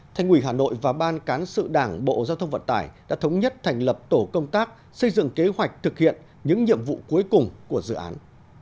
thành quỷ hà nội và ban cán sự đảng bộ giao thông vận tải đã thống nhất thành lập tổ công tác xây dựng kế hoạch thực hiện những nhiệm vụ cuối cùng của dự án